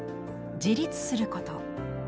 「自立すること」。